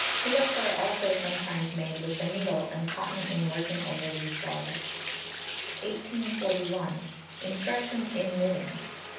Picots are also sometimes made with the needle and cotton in working over these bars. 1841. Instructions in Knitting.